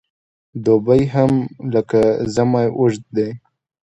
دوبی هم لکه ژمی اوږد دی .